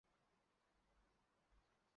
黄花蔺为花蔺科黄花蔺属下的一个种。